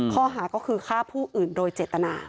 ข้อหาก็คือฆ่าผู้อื่นโดยเจตนา